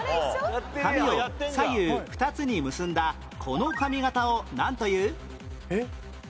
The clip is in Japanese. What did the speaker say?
髪を左右２つに結んだこの髪形をなんという？